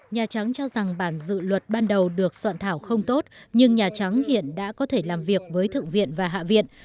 nhà trắng cho rằng bản dự luật ban đầu được soạn thảo không tốt nhưng nhà trắng hiện đã có thể làm việc với thượng viện và hạ viện